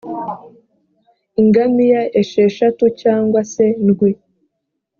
ingamiya esheshatu cyangwa se ndwi